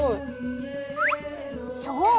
そう。